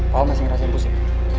pak masih ngerasain pusing